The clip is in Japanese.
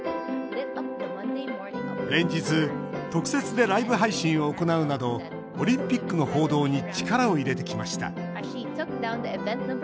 連日、特設でライブ配信を行うなどオリンピックの報道に力を入れてきました。